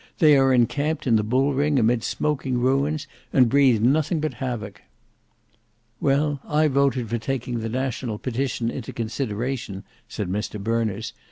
They are encamped in the Bull Ring amid smoking ruins, and breathe nothing but havoc." "Well, I voted for taking the National Petition into consideration," said Mr Berners.